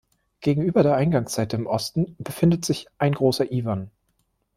Gegenüber der Eingangsseite im Osten befindet sich ein großer Iwan.